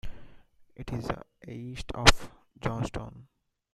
It is east of Johnstown.